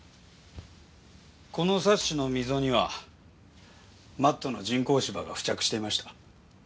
このサッシの溝にはマットの人工芝が付着していました。